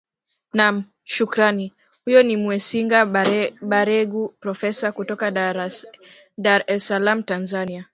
naam shukrani huyo ni mwesiga baregu profesa kutoka dar es salam tanzania